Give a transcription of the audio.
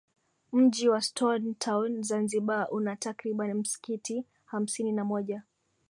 Mji wa stone town Zanzibar una takribani misikiti hamsini na moja